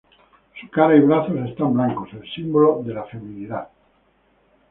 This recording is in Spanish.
Su cara y brazos están blancos, el símbolo de la feminidad.